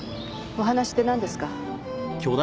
お話ってなんですか？